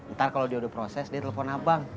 ntar kalau dia udah proses dia telepon abang